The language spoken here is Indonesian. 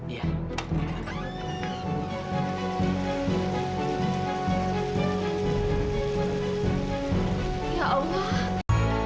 iya kita ke rumah